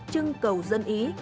trưng cầu dân ý